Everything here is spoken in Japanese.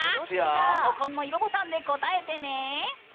リモコンの色ボタンで答えてね。